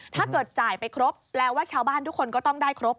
ถ้าเกิดจ่ายไปครบแปลว่าชาวบ้านทุกคนก็ต้องได้ครบ